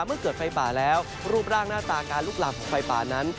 เมื่อเกิดไฟป่าแล้วรูปร่างหน้าตาการลุกลามของไฟป่านั้น